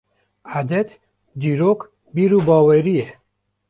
Edet, dîrok, bîr û bawerî ye.